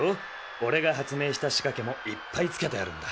おれがはつめいしたしかけもいっぱいつけてあるんだ。